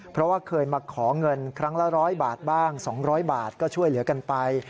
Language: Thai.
เพราะว่าเคยมาขอเงินครั้งละ๑๐๐บาทบ้าง๒๐๐บาทก็ช่วยเหลือกันไป